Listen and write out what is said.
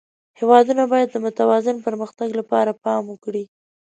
هېوادونه باید د متوازن پرمختګ لپاره پام وکړي.